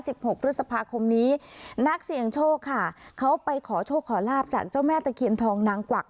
หกพฤษภาคมนี้นักเสี่ยงโชคค่ะเขาไปขอโชคขอลาบจากเจ้าแม่ตะเคียนทองนางกวัก